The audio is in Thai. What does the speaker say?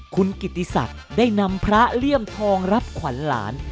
คุณกิติศักดิ์ได้นำพระเลี่ยมทองรับขวัญหลาน